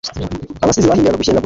abasizi bahimbiraga gushyenga gusa